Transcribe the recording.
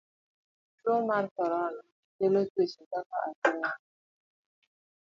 Tuo mar korona kelo tuoche kaka athung'a ma